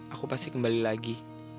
aku pasti kembali lagi